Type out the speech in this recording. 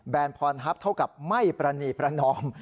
แบรนด์พรภัพร์เท่ากับไม่ปรณีประนอม